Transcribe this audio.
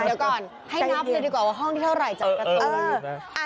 ให้นับดีกว่าห้องที่เท่าไหร่จากกระโต๊ะ